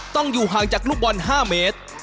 ต้องอยู่ห่างจากลูกบอล๕เมตร